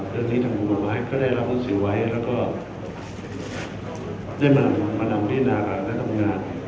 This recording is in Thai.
เรื่องนี้ทางกรุงกลุ่มบ้านก็ได้รับหนังสือไว้แล้วก็ได้มานำพี่นาการณ์ได้ทำงาน